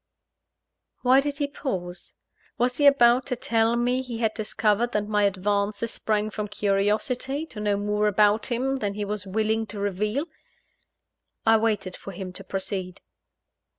Why did he pause? Was he about to tell me he had discovered that my advances sprang from curiosity to know more about him than he was willing to reveal? I waited for him to proceed.